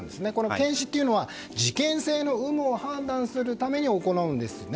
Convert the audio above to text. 検視というのは事件性の有無を判断するために行うんですよね。